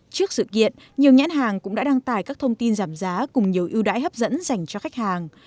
trước sự kiện nhiều nhãn hàng cũng đã đăng tải các thông tin giảm giá cùng nhiều ưu đãi hấp dẫn dành cho khách hàng